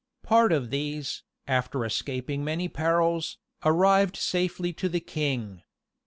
Part of these, after escaping many perils, arrived safely to the king.